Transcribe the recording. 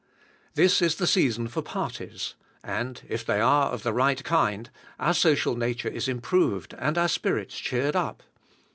This is the season for parties; and, if they are of the right kind, our social nature is improved, and our spirits cheered up.